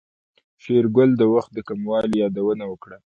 شېرګل د وخت د کموالي يادونه وکړه.